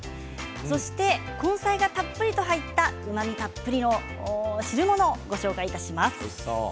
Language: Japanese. そして根菜がたっぷりと入ったうまみたっぷりの汁物をご紹介します。